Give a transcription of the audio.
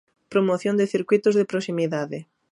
Promoción de circuítos de proximidade.